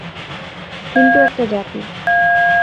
হিন্দু একটা জাতি।